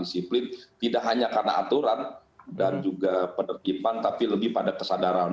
disiplin tidak hanya karena aturan dan juga penertiban tapi lebih pada kesadaran